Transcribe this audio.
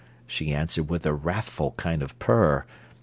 She answered with a wrathful kind of purr.